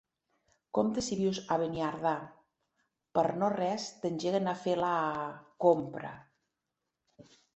Compte si vius a Beniardà, per no-res t'engeguen a fer la... compra.